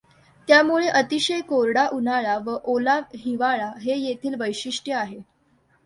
त्यामुळे अतिशय कोरडा उन्हाळा व ओला हिवाळा हे येथील वैशिठ्य आहे.